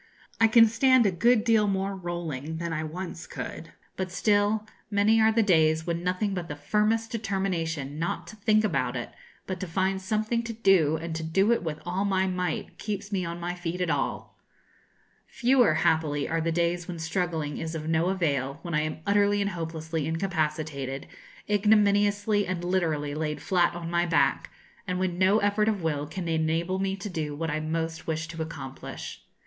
I can stand a good deal more rolling than I once could; but still, many are the days when nothing but the firmest determination not to think about it, but to find something to do, and to do it with all my might, keeps me on my feet at all. Fewer, happily, are the days when struggling is of no avail, when I am utterly and hopelessly incapacitated, ignominiously and literally laid flat on my back, and when no effort of will can enable me to do what I most wish to accomplish.